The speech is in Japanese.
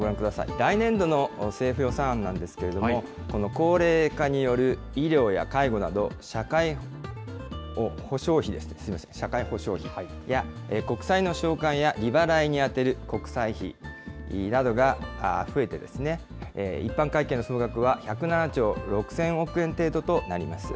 来年度の政府予算案なんですけども、この高齢化による医療や介護など、社会保障費や国債の償還や利払いに充てる国債費などが増えてですね、一般会計の総額は１０７兆６０００億円程度となります。